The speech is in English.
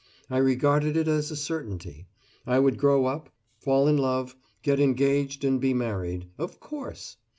I regarded it as a certainty: I would grow up, fall in love, get engaged, and be married of course!